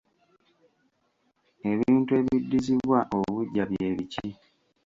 Ebintu ebiddizibwa obuggya bye biki?